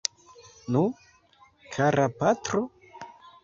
Nu, kara patro?